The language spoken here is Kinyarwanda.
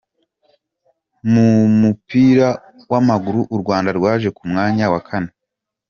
Mu mupira w’amaguru u Rwanda rwaje ku mwanya wa kane.